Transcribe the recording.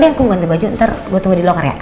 gue cari baju nanti untuk dilukar ya